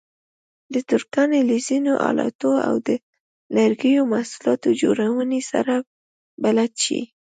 د ترکاڼۍ له ځینو آلاتو او د لرګیو محصولاتو جوړونې سره بلد شئ.